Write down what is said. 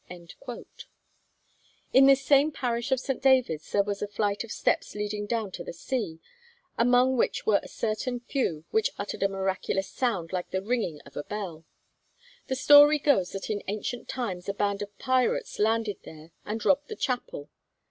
' In this same parish of St. David's, there was a flight of steps leading down to the sea, among which were a certain few which uttered a miraculous sound, like the ringing of a bell. The story goes that in ancient times a band of pirates landed there and robbed the chapel.